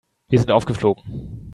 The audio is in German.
Wir sind aufgeflogen.